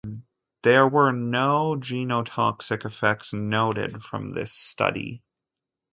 There were no genotoxic effects noted from this study.